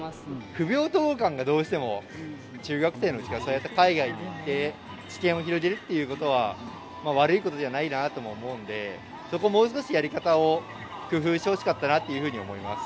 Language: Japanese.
不平等感がどうしても中学生のうちから、そうやって海外に行って、知見を広げるということは、悪いことじゃないなとも思うんで、そこ、もう少しやり方を工夫してほしかったなというふうに思います。